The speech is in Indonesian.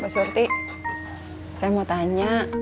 pak surti saya mau tanya